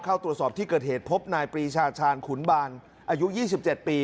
เข้าตรวจสอบที่เกิดเหตุพบนายปรีชาชาญขุนบานอายุ๒๗ปี